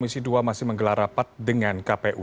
komisi dua masih menggelar rapat dengan kpu